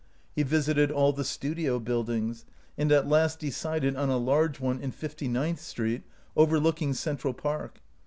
He visited all the studio buildings, and at last decided on a large one in Fifty ninth Street, overlooking Central Park.